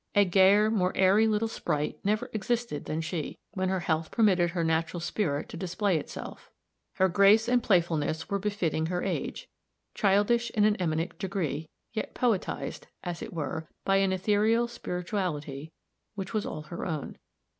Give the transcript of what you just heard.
A gayer, more airy little sprite never existed than she, when her health permitted her natural spirit to display itself. Her grace and playfulness were befitting her age childish in an eminent degree, yet poetized, as it were, by an ethereal spirituality, which was all her own.